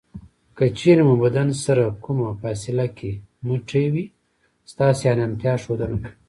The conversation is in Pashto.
که چېرې مو بدن سره کمه فاصله کې مټې وي ستاسې ارامتیا ښودنه کوي.